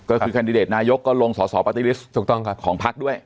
ก็คือคันดิเดตนายกก็ลงส่อปฏิริสต์ของภักดิ์ด้วย